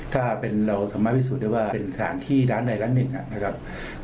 ถ้าเป็นเราสามารถวิสูจน์ได้ว่าเป็นแสดงที่นั้นใดแล้วเนี่ยครับ